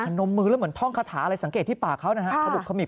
พนมมือแล้วเหมือนท่องคาถาอะไรสังเกตที่ปากเขานะครับ